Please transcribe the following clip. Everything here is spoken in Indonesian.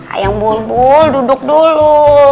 ayang bol bol duduk dulu